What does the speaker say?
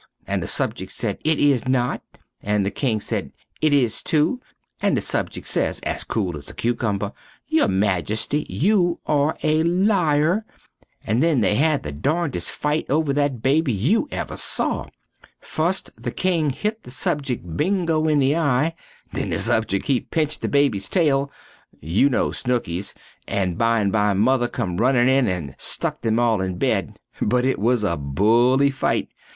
and the subjeck sed, It is not! and the king sed, It is too! and the sujeck sez as cool as a cucumber, Your majesty you are a lyre! and then they had the darndest fite over that baby you ever saw. Fust the king hit the subjeck bingo in the eye then the subjeck he pincht the babys tail, you no Snookies, and bimeby Mother come runnin in and stuck them all in bed, but it was a buly fite.